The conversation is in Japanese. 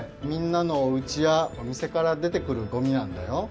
みんなのおうちやおみせからでてくるごみなんだよ。